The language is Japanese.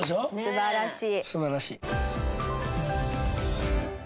素晴らしい。